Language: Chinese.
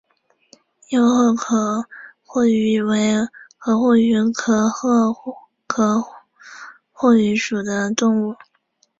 幼赫壳蛞蝓为壳蛞蝓科赫壳蛞蝓属的动物。